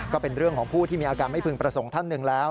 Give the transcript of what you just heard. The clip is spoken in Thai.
ก็เป็นเรื่องของผู้ที่มีอาการไม่พึงประสงค์ท่านหนึ่งแล้ว